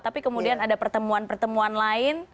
tapi kemudian ada pertemuan pertemuan lain